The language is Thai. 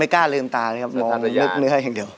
กล้าลืมตานะครับมองไปลึกเนื้ออย่างเดียว